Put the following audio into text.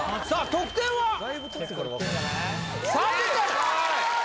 得点は３０点